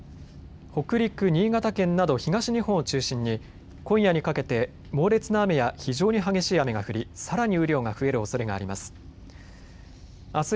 北陸、新潟県など東日本を中心に今夜にかけて猛烈な雨や非常に激しい雨が降りさらに雨量が増えるおそれがあります。